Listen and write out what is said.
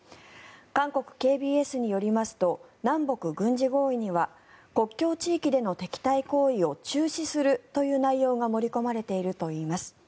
韓国ＫＢＳによりますと南北軍事合意には国境地域での敵対行為を中止するという内容が盛り込まれているといいます。